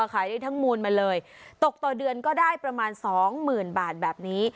ขายได้ทั้งมูลมาเลยตกต่อเดือนก็ได้ประมาณสองหมื่นบาทแบบนี้